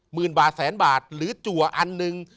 หมื่นบาทแสนบาทหรือจัวอันหนึ่ง